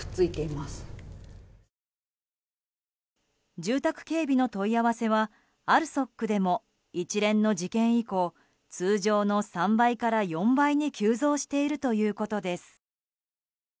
住宅警備の問い合わせはＡＬＳＯＫでも一連の事件以降通常の３倍から４倍に急増しているということです。